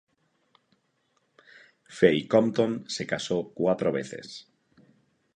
Fay Compton se casó cuatro veces.